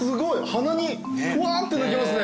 鼻にふわって抜けますね。